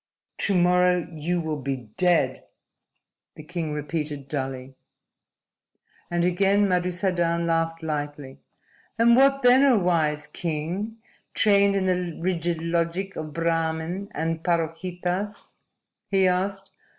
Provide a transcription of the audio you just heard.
"To morrow you will be dead," the king repeated dully. And again Madusadan laughed lightly. "And what then, O wise king, trained in the rigid logic of Brahmin and Parohitas?" he asked.